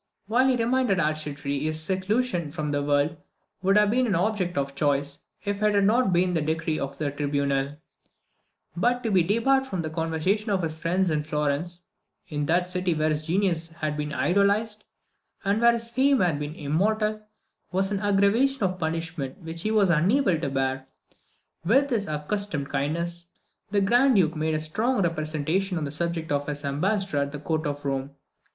While he remained at Arcetri, his seclusion from the world would have been an object of choice, if it had not been the decree of a tribunal; but to be debarred from the conversation of his friends in Florence in that city where his genius had been idolised, and where his fame had become immortal, was an aggravation of punishment which he was unable to bear. With his accustomed kindness, the Grand Duke made a strong representation on the subject to his ambassador at the Court of Rome.